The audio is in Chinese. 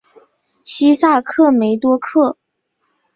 西萨克梅多克。